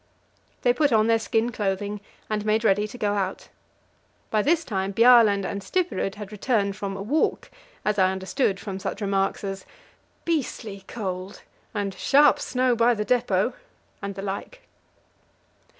They put on their skin clothing and made ready to go out. By this time Bjaaland and Stubberud had returned from a walk, as I understood from such remarks as "Beastly cold," "Sharp snow by the depot," and the like.